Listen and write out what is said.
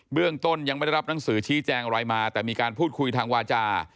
เรื่องต้นยังไม่ได้รับหนังสือชี้แจงอะไรมาแต่มีการพูดคุยทางวาจา